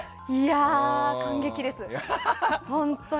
感激です、本当に。